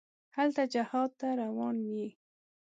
هلته جهاد ته روان یې.